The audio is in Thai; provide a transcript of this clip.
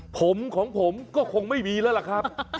ผมของผมก็คงไม่มีแล้วล่ะครับ